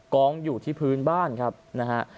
กองอยู่ที่พื้นบ้านครับนะฮะ